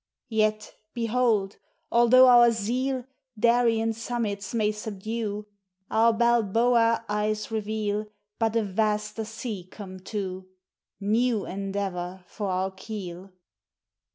Yet, behold, although our zeal Darien summits may subdue, Our Balboa eyes reveal But a vaster sea come to; New endeavor for our keel.